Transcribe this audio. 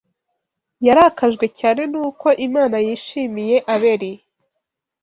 Yarakajwe cyane n’uko Imana yishimiye Abeli